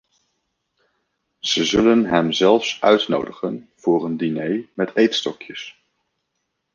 Ze zullen hem zelfs uitnodigen voor een diner met eetstokjes.